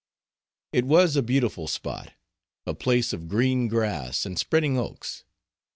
It was a beautiful spot, a place of green grass and spreading oaks.